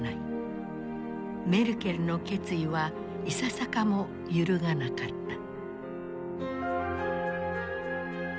メルケルの決意はいささかも揺るがなかった。